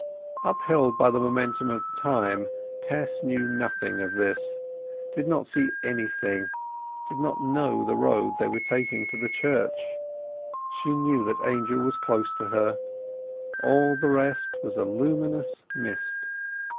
Upheld by the momentum of the time, Tess knew nothing of this, did not see anything, did not know the road they were taking to the church. She knew that Angel was close to her; all the rest was a luminous mist.